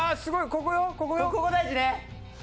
ここ大事ね。